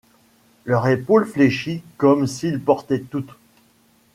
Leur épaule fléchit comme s’ils portaient toute